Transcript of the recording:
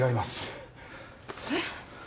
えっ？